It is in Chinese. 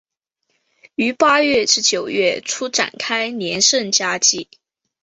于八月至九月初展开连胜佳绩。